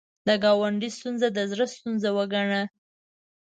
د ګاونډي ستونزه د زړه ستونزه وګڼه